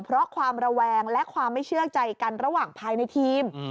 เพราะความระแวงและความไม่เชื่อใจกันระหว่างภายในทีม